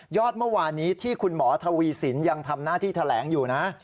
เมื่อวานนี้ที่คุณหมอทวีสินยังทำหน้าที่แถลงอยู่นะ